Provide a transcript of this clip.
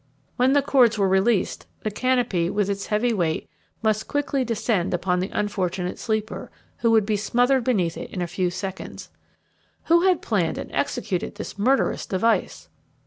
When the cords were released, the canopy, with its heavy weight, must quickly descend upon the unfortunate sleeper, who would be smothered beneath it in a few seconds. Who had planned and executed this murderous device?